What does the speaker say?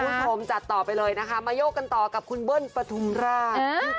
คุณผู้ชมจัดต่อไปเลยนะคะมาโยกกันต่อกับคุณเบิ้ลปฐุมราช